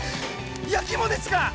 ⁉焼きもですか！